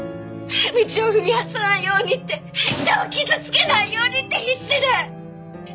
道を踏み外さないようにって人を傷つけないようにって必死で！